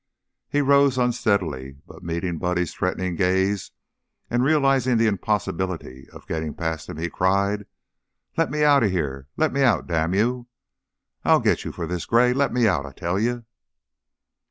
He rose unsteadily, but, meeting Buddy's threatening gaze and realizing the impossibility of getting past him, he cried: "Let me out of here! Let me out, damn you! I I'll get you for this, Gray. Let me out, I tell you!"